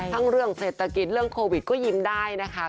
เรื่องเศรษฐกิจเรื่องโควิดก็ยิ้มได้นะคะ